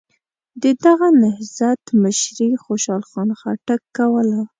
د دغه نهضت مشري خوشحال خان خټک کوله.